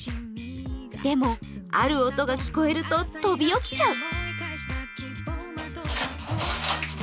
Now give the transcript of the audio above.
でも、ある音が聞こえると飛び起きちゃう。